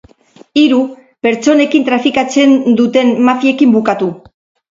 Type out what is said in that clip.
Hiru, pertsonekin trafikatzen duten mafiekin bukatu.